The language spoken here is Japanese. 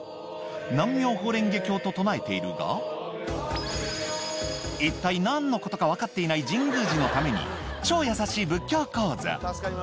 南無妙法蓮華経と唱えているが、一体なんのことか分かっていない神宮寺のために、超優しい仏教講座。